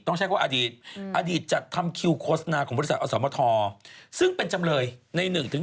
ต้องใช้ว่าอดีตอดีตจัดทำคิวโฆษณาของบริษัทอสมทซึ่งเป็นจำเลยใน๑๒